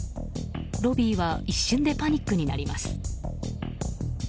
ロビーは一瞬でパニックになります。